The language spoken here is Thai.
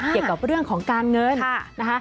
เกี่ยวกับเรื่องของการเงินนะคะ